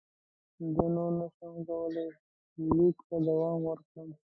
زه نور نه شم کولای لیک ته دوام ورکړم.